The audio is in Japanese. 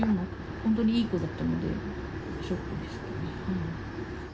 本当にいい子だったので、ショックでしたね。